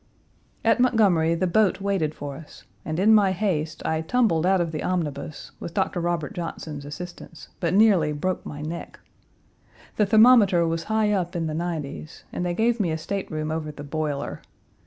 At Montgomery the boat waited for us, and in my haste I tumbled out of the omnibus with Dr. Robert Johnson's assistance, but nearly broke my neck. The thermometer was high up in the nineties, and they gave me a stateroom over the boiler.